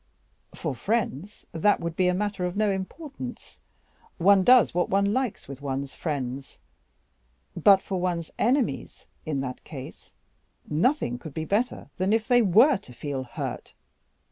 "For friends, that would be a matter of no importance; one does what one likes with one's friends; but for one's enemies, in that case nothing could be better than if they were to feel hurt.